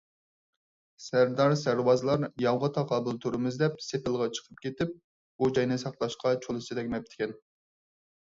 سەردار - سەرۋازلار ياۋغا تاقابىل تۇرىمىز دەپ سېپىلغا چىقىپ كېتىپ، بۇ جاينى ساقلاشقا چولىسى تەگمەپتىكەن.